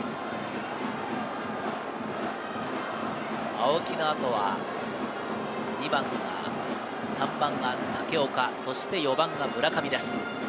青木の後は３番が武岡、そして４番が村上です。